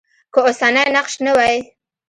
که اوسنی نقش نه وای.